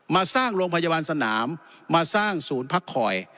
มาสร้างโรงพยาบาลสนามมาสร้างศูนย์พักคอย